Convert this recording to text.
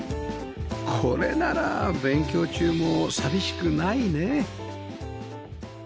これなら勉強中も寂しくないね